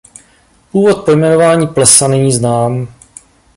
Původ pojmenování plesa není znám.